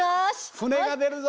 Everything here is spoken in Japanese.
船が出るぞ！